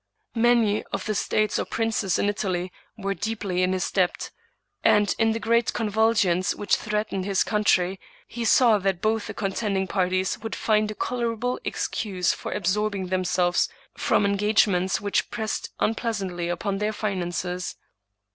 Many of the states or princes in Italy were deeply in his debt; and, in the great convulsions which threatened his country, he saw that both the contending parties would find a colorable excuse for ab solving themselves from engagements which pressed un pleasantly upon their finances.